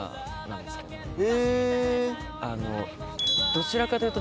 どちらかというと。